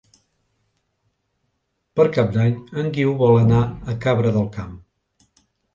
Per Cap d'Any en Guiu vol anar a Cabra del Camp.